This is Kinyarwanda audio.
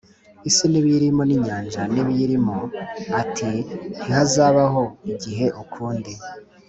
isi n’ibiyirimo n’inyanja n’ibiyirimo ati “Ntihazabaho igihe ukundi,